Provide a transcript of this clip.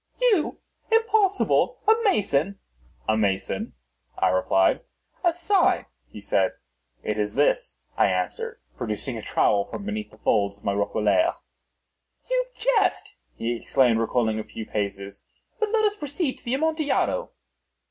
"You? Impossible! A mason?" "A mason," I replied. "A sign," he said. "It is this," I answered, producing a trowel from beneath the folds of my roquelaire. "You jest," he exclaimed, recoiling a few paces. "But let us proceed to the Amontillado."